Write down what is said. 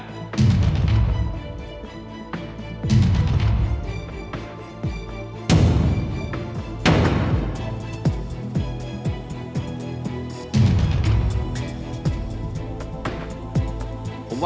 ผมว่าคุณปริ้นท์